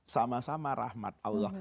sama sama rahmat allah